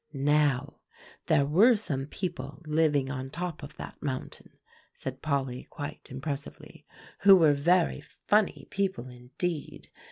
"Now, there were some people living on the top of that mountain," said Polly quite impressively, "who were very funny people indeed.